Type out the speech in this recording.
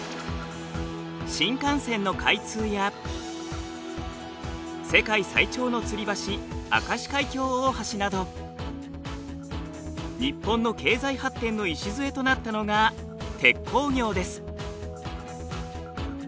新幹線の開通や世界最長のつり橋明石海峡大橋など日本の経済発展の礎となったのが鉄鋼業です。